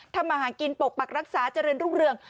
ทำมาหากินปกปักรักษาเจริญรุ่งเรือง